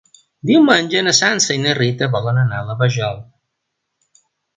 Diumenge na Sança i na Rita volen anar a la Vajol.